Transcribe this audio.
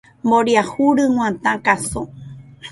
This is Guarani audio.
Mboriahu ryg̃uatã káso.